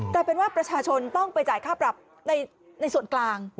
กลายเป็นว่าประชาชนต้องไปจ่ายค่าปรับในส่วนกลาง